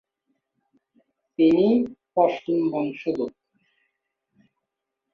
তিনি পশতুন বংশোদ্ভুত।